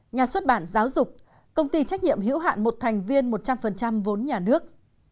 nhà xuất bản giáo dục công ty trách nhiệm hữu hạn một thành viên một trăm linh vốn nhà nước